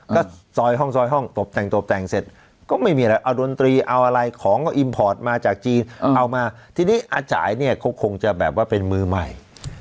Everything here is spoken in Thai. ก็ซอยห้องซอยห้องตบแต่งตบแต่งเสร็จก็ไม่มีอะไรเอาดนตรีเอาอะไรของเอาอิมพอร์ตมาจากจีนเอามาทีนี้อาจ่ายเนี่ยก็คงจะแบบว่าเป็นมือใหม่